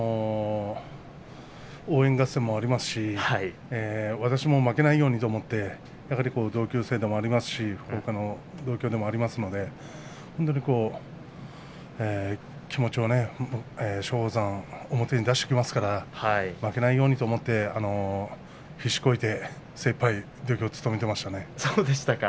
応援合戦もありますし私も負けないようにと思って同級生でもありますし同郷でもありますので気持ちをね、松鳳山は表に出してきますから負けないようにと思って必死こいて先輩土俵を務めていましたね。